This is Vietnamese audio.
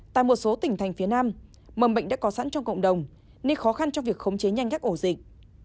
tại một số tỉnh thành phía nam mầm bệnh đã có sẵn trong cộng đồng nên khó khăn cho việc khống chế nhanh các ổ dịch